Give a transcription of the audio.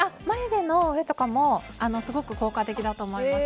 眉毛の上とかもすごく効果的だと思います。